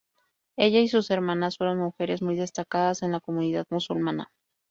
Ella y sus hermanas fueron mujeres muy destacadas en la comunidad musulmana.